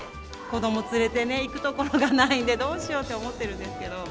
子ども連れてね、行く所がないんで、どうしようと思ってるんですけど。